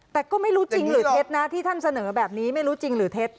แต่ก็ไม่รู้จริงหรือเท็จนะที่ท่านเสนอแบบนี้ไม่รู้จริงหรือเท็จ